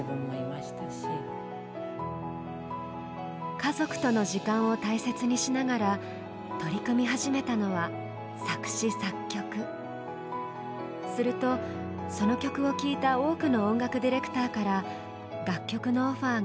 家族との時間を大切にしながら取り組み始めたのはするとその曲を聴いた多くの音楽ディレクターから楽曲のオファーが次々と舞い込むようになります。